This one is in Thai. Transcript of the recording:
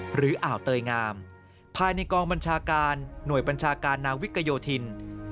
อ่าวเตยงามภายในกองบัญชาการหน่วยบัญชาการนาวิกโยธิน